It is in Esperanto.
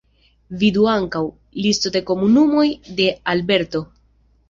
Vidu ankaŭ: Listo de komunumoj de Alberto.